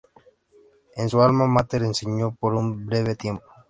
En su "alma mater" enseñó por un breve tiempo.